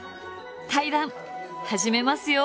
対談始めますよ。